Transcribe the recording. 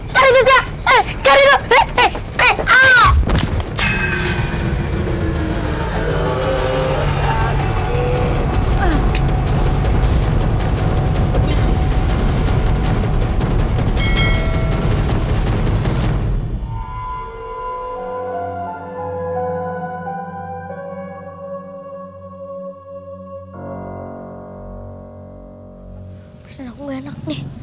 peraniku tidak enak